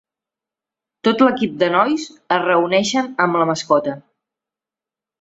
Tot l'equip de nois es reuneixen amb la mascota